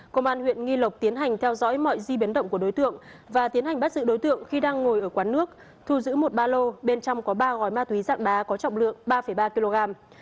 công an huyện nghi lộc tiến hành theo dõi mọi di biến động của đối tượng và tiến hành bắt giữ đối tượng khi đang ngồi ở quán nước thu giữ một ba lô bên trong có ba gói ma túy dạng đá có trọng lượng ba ba kg